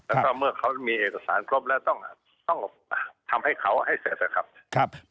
แล้วก็เมื่อเขามีเอกสารครบแล้วต้องทำให้เขาให้เสร็จนะครับ